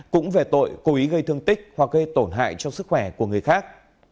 cũng về tội cố ý gây thương tích hoặc gây tổn hại cho sức khỏe của người khác